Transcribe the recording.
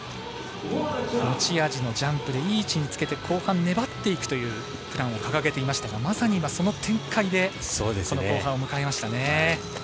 持ち味のジャンプでいい位置につけて後半粘っていくというプランを掲げていましたがまさに今、その展開で後半を迎えました。